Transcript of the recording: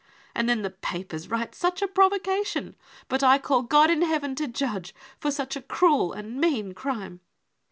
And then the papers write such a provo cation ! But I call God in heaven to judge, for such a cruel and mean crime.